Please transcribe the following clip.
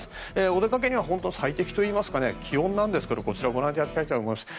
お出かけには本当に最適といいますか気温なんですが、こちらご覧いただきたいと思います。